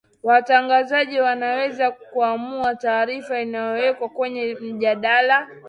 watangazaji wanaweza kuamua taarifa inayowekwa kwenye mjadala